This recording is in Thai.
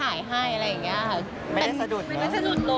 ไม่ได้สะดุดอะ